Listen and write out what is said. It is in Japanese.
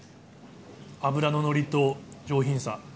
脂の乗りと上品さ。